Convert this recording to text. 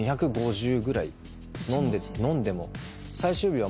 飲んでも。